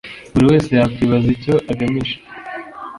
buri wese yakwibaza icyo agamije